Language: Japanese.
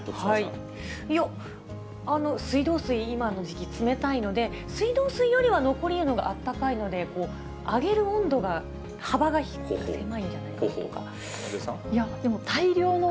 いや、水道水、今の時期、冷たいので、水道水よりは、残り湯のほうがあったかいので、上げる温度が、幅が狭いんじゃないかなとか。